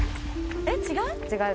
えっ違う？